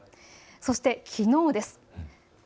そして、きのうです。